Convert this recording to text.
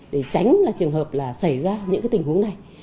đó chính là trường hợp là xảy ra những cái tình huống này